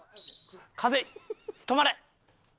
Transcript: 風止まれ！